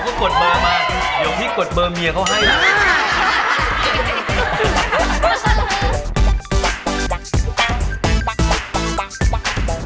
ก็กดมามาเดี๋ยวพี่กดเบอร์เมียเขาให้นะ